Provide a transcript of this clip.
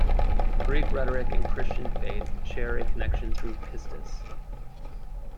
Greek rhetoric and Christian faith share a connection through pistis.